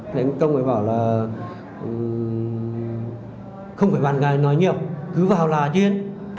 thế ông công ấy bảo là không phải bạn gái nói nhiều cứ vào là chiến